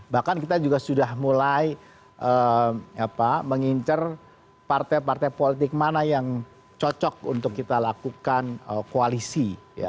bahkan kita juga sudah mulai mengincar partai partai politik mana yang cocok untuk kita lakukan koalisi